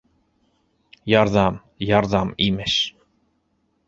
- Ярҙам, ярҙам, имеш...